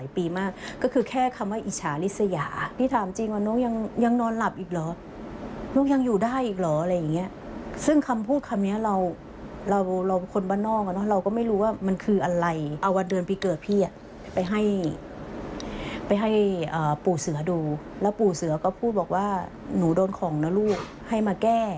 ไปให้ปู่เสือดูแล้วปู่เสือก็พูดบอกว่าหนูโดนของนะลูกให้มาแก้